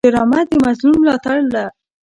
ډرامه د مظلوم ملاتړ ده